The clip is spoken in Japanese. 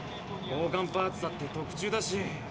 交かんパーツだって特注だし。